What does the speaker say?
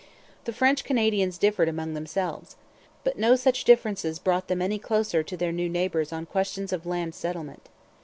The French Canadians differed among themselves. But no such differences brought them any closer to their new neighbours on questions of land settlement.